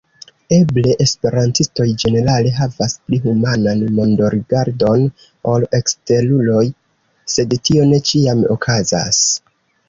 Eble esperantistoj ĝenerale havas pli humanan mondorigardon ol eksteruloj, sed tio ne ĉiam okazas.